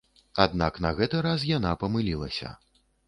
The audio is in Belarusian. Аднак на гэты раз яна памылілася.